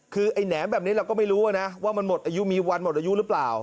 คือไอ้แหนมแบบนี้เราก็ไม่รู้นะว่ามันหมดอายุมีวันหมดอายุหรือเปล่า